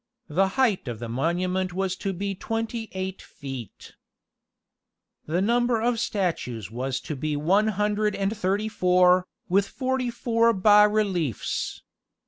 The height of the monument was to be twenty eight feet. The number of statues was to be one hundred and thirty four, with forty four bas reliefs.